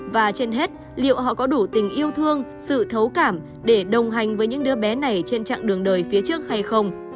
và trên hết liệu họ có đủ tình yêu thương sự thấu cảm để đồng hành với những đứa bé này trên chặng đường đời phía trước hay không